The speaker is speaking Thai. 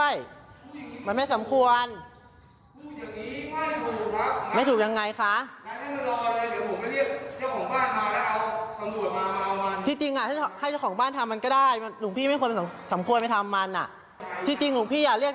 จบปัดสำควรจบุกหญิงมันทำไม่สมประกอบ